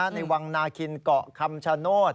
ในวังนาคินเกาะคำชโนธ